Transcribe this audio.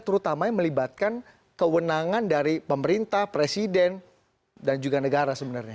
terutama yang melibatkan kewenangan dari pemerintah presiden dan juga negara sebenarnya